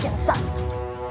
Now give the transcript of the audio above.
siapa yang salah